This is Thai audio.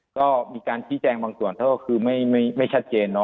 ก็มีการจิจแจงบางส่วนถ้าหมายไม่ชัดเจน